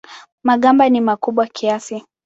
Magamba ni makubwa kiasi.